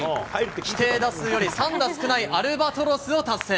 規定打数より３打少ないアルバトロスを達成。